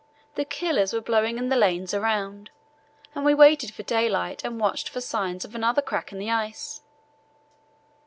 The killers were blowing in the lanes around, and we waited for daylight and watched for signs of another crack in the ice.